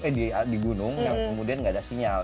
eh di gunung kemudian gak ada sinyal